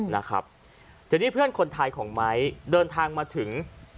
เดี๋ยวนี้เพื่อนคนไทยของไม้เดินทางมาถึง